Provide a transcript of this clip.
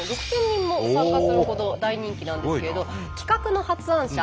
６，０００人も参加するほど大人気なんですけれど企画の発案者